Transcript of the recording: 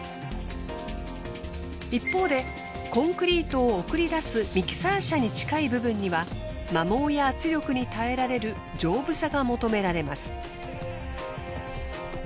一方でコンクリートを送り出すミキサー車に近い部分には摩耗や圧力に耐えられる丈夫さが求められます。